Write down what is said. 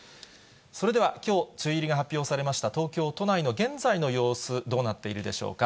それではきょう、梅雨入りが発表されました東京都内の現在の様子、どうなっているでしょうか。